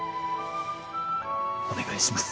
お願いします。